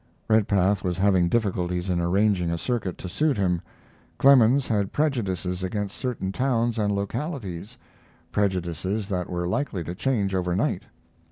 Redpath was having difficulties in arranging a circuit to suit him. Clemens had prejudices against certain towns and localities, prejudices that were likely to change overnight.